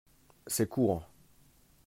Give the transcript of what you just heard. C’est court